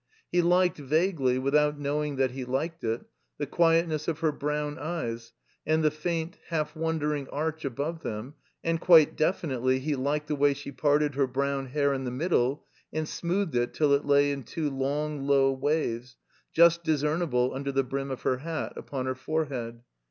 He liked, vaguely, without knowing that he liked it, the quietness of her brown eyes and the faint, half wondering arch above them; and quite definitely he liked the way she parted her brown hair in the middle and smoothed it till it lay in two long, low waves (just discernible i6 THE COMBINED MAZE under the brim of her hat) upon her forehead.